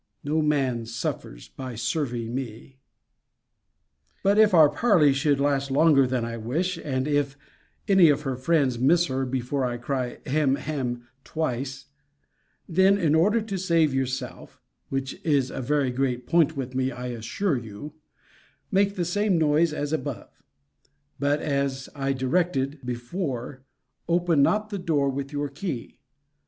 No man suffers by serving me. But, if our parley should last longer than I wish; and if any of her friends miss her before I cry, Hem, hem, twice; then, in order to save yourself, (which is a very great point with me, I assure you,) make the same noise as above: but as I directed before, open not the door with your key.